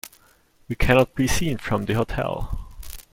We cannot be seen from the hotel.